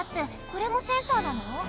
これもセンサーなの？